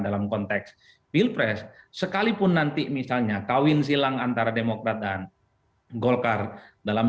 dalam konteks pilpres sekalipun nanti misalnya kawin silang antara demokrat dan golkar dalam